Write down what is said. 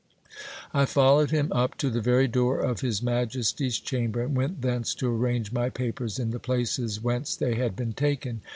I followed him up to the very door of his majesty's chamber, and went thence to arrange my papers in the places whence they had been taken.